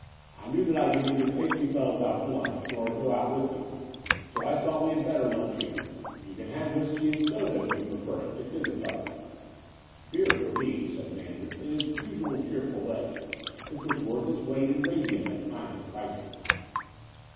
I knew that I could neither take you fellows out to lunch nor go out with you ; so I thought we had better limch here. You can have whisky and soda, if you prefer it: it's in the cupboard." "Beer for me," said Manders in his usual cheer ful way, which was worth its weight in radium at times of crises.